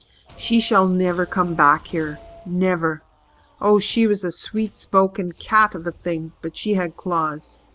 "She shall never come back here never. Oh, she was a sweet spoken cat of a thing but she had claws.